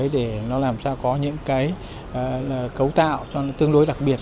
để nó làm sao có những cái cấu tạo tương đối đặc biệt